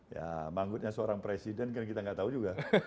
ya manggutnya seorang presiden kan kita nggak tahu juga